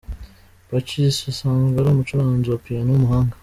Pacis asanzwe ari umucuranzi wa piano w'umuhanga.